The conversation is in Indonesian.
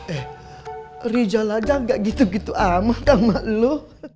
eh rijalada gak gitu gitu amat sama lo